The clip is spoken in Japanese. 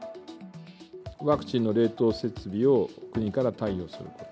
ワクチンの冷凍設備を国から貸与すること。